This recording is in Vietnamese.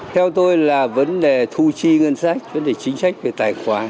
theo tôi là vấn đề thu tri ngân sách vấn đề chính sách về tài khoán